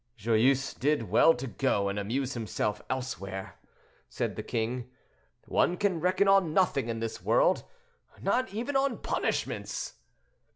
"Joyeuse did well to go and amuse himself elsewhere," said the king; "one can reckon on nothing in this world—not even on punishments.